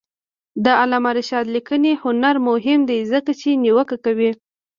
د علامه رشاد لیکنی هنر مهم دی ځکه چې نیوکه کوي.